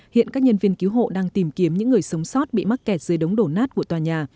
hiện các nhân viên cứu hộ đang tìm kiếm những người sống sót bị mắc kẹt dưới đống đổ nát của tòa nhà